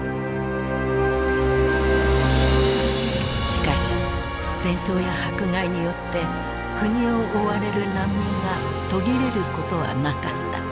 しかし戦争や迫害によって国を追われる難民が途切れることはなかった。